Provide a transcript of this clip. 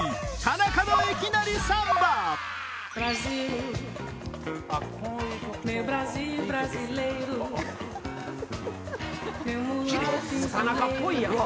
田中っぽいやん！